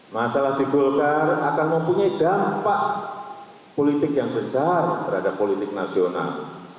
masalah di golkar akan mempunyai dampak politik yang besar terhadap politik nasional